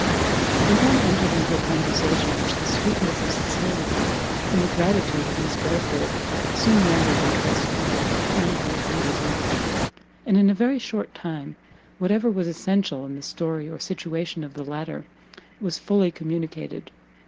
They then entered into a conversation which the sweetness of Cecilia, and the gratitude of Miss Belfield, soon rendered interesting, friendly and unreserved: and in a very short time, whatever was essential in the story or situation of the latter was fully communicated.